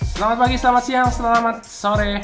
selamat pagi selamat siang selamat sore